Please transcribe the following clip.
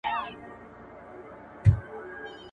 هیوادونه د روغتیا په برخه کي تجربې شریکوي.